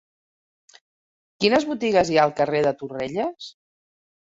Quines botigues hi ha al carrer de Torrelles?